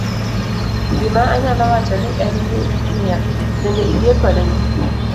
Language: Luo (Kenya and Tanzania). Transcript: gima anyalo wacho ni en ni ya, bende iyie kodgi?'